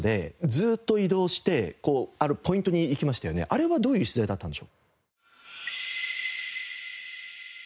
あれはどういう取材だったんでしょう？